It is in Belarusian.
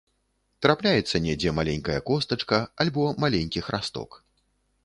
Трапляецца недзе маленькая костачка, альбо маленькі храсток.